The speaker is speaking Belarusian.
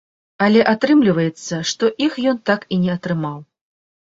Але атрымліваецца, што іх ён так і не атрымаў.